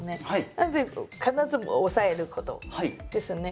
なので必ず押さえることですね。